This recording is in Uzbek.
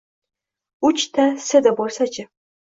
Uch ta Seda bo‘lsachi?